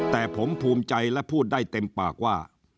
แต่ผมภูมิใจและพูดได้เต็มปากว่า